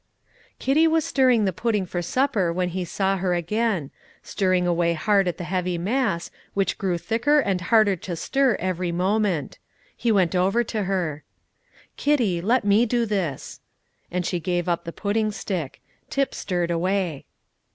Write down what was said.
Kitty was stirring the pudding for supper when he saw her again, stirring away hard at the heavy mass, which grew thicker and harder to stir every moment. He went over to her. "Kitty, let me do this;" and she gave up the pudding stick. Tip stirred away.